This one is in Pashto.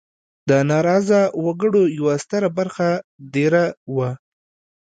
د ناراضه وګړو یوه ستره برخه دېره وه.